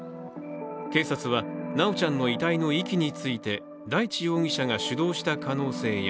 警察は修ちゃんの遺体の遺棄について、大地容疑者が主導した可能性や